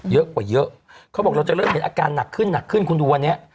เยอะกว่าเยอะเขาบอกเราจะเริ่มเห็นอาการหนักขึ้นหนักขึ้นคุณดูวันนี้